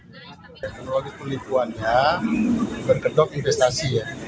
pemimpinan ekonomi dan teknologi penipuannya bergedok investasi